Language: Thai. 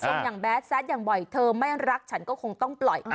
อย่างแบดแซดอย่างบ่อยเธอไม่รักฉันก็คงต้องปล่อย